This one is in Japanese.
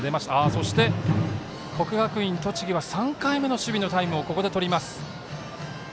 そして、国学院栃木は３回目の守備のタイムをここでとります。